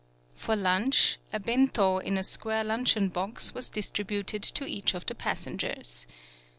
For lunch, a Bento in a square lunch eon box, was distributed to each of the passengers.